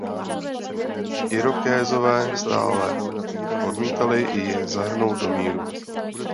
Irokézové stále odmítali i je zahrnout do míru.